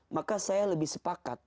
maka saya lebih sepakat